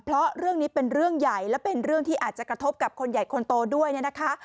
เพราะเรื่องนี้เป็นเรื่องใหญ่และเป็นเรื่องที่อาจจะกระทบกับคนใหญ่คนโตด้วยเนี่ยนะคะ